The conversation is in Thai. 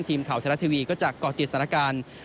ทีมข่าวทลาททีวีก็จะก่อนติดสถานการณ์